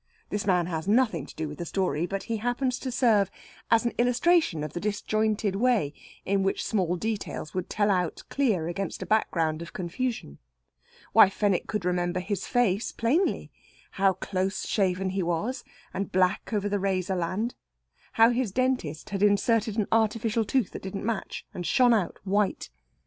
This man has nothing to do with this story, but he happens to serve as an illustration of the disjointed way in which small details would tell out clear against a background of confusion. Why, Fenwick could remember his face plainly how close shaven he was, and black over the razor land; how his dentist had inserted an artificial tooth that didn't match, and shone out white.